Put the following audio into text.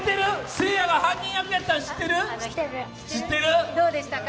せいやが犯人役だったの知ってる？